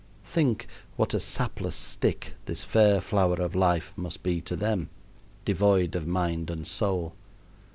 Think what a sapless stick this fair flower of life must be to them, devoid of mind and soul.